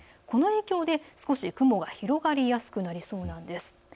この影響で少し雲が広がりやすくなりそうです。